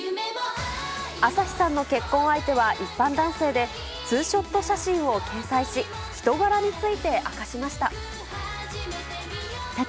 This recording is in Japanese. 朝日さんの結婚相手は、一般男性で、ツーショット写真を掲載し、人柄について明かしました。